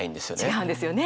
違うんですよね。